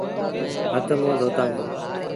هٿ منهن دوتآ سيٚݩ۔